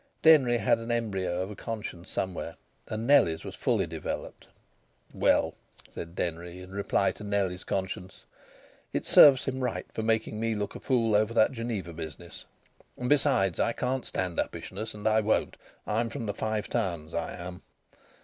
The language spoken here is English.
Denry had an embryo of a conscience somewhere, and Nellie's was fully developed. "Well," said Denry, in reply to Nellie's conscience, "it serves him right for making me look a fool over that Geneva business. And besides, I can't stand uppishness, and I won't. I'm from the Five Towns, I am."